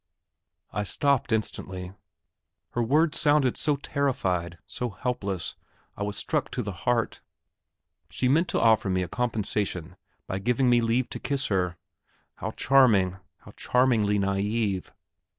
I stopped instantly. Her words sounded so terrified, so helpless, I was struck to the heart. She meant to offer me a compensation by giving me leave to kiss her! How charming, how charmingly naïve.